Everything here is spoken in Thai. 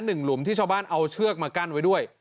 หลุมที่ชาวบ้านเอาเชือกมากั้นไว้ด้วย